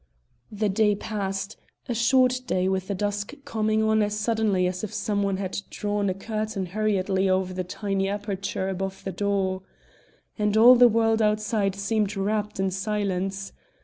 The day passed, a short day with the dusk coming on as suddenly as if some one had drawn a curtain hurriedly over the tiny aperture above the door. And all the world outside seemed wrapped in silence.